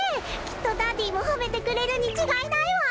きっとダディもほめてくれるにちがいないわ。